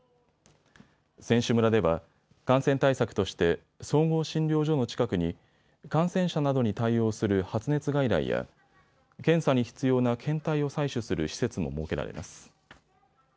選手村では感染対策として総合診療所の近くに感染者などに対応する発熱外来や検査に必要な検体を採取する施設も設けられます。